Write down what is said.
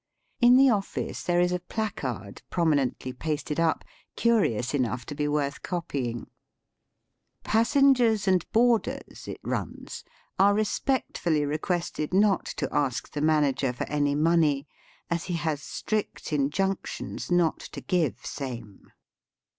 In the office there is a placard, prominently pasted up, curious enough to be worth copying. Digitized by VjOOQIC m THE TROPICS. 135 " Passengers and boarders," it runs, "are respectfully requested not to ask the manager for any money, as he has strict injunctions not to give same."